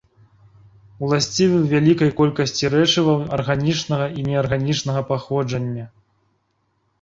Уласцівы вялікай колькасці рэчываў арганічнага і неарганічнага паходжання.